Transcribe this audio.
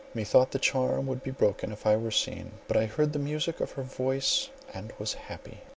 Methought the charm would be broken if I were seen, but I heard the music of her voice and was happy.